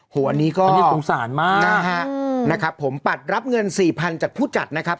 โอ้โหอันนี้ก็น่าสงสารมากนะฮะนะครับผมปัดรับเงินสี่พันจากผู้จัดนะครับ